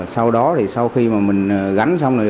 sau đó thì sau khi mà mình gắn xong